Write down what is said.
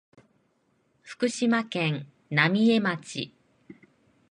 福島県浪江町